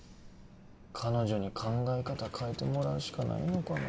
彼女に考え方変えてもらうしかないのかな